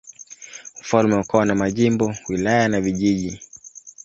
Ufalme ukawa na majimbo, wilaya na vijiji.